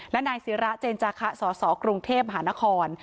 และนายศิราเจนจาคะสสกรุงเทพมหานคร